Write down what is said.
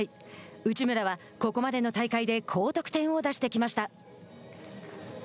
内村はここまでの大会で高得点を出してきました。